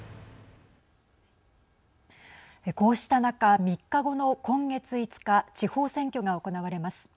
こうした中、３日後の今月５日地方選挙が行われます。